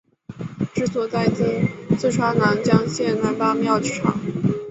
治所在今四川南江县南八庙场。